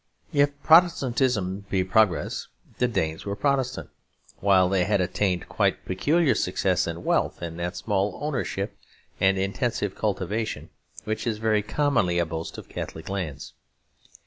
If Protestantism be progress, the Danes were Protestant; while they had attained quite peculiar success and wealth in that small ownership and intensive cultivation which is very commonly a boast of Catholic lands.